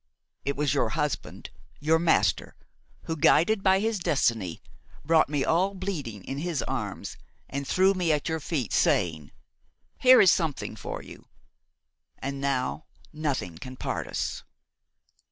It was your husband–your master–who, guided by his destiny, brought me all bleeding in his arms and threw me at your feet, saying: 'Here is something for you!' And now nothing can part us."